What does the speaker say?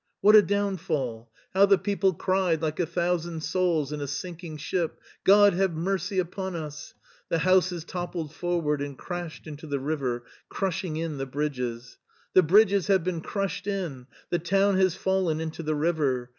What a downfall! How the people cried like a thousand souls in a sinking ship, " God, have mercy upon us !" The houses toppled forward and crashed into the river, crushing in the bridges. "The bridges have been crushed in: the town has fallen into the river."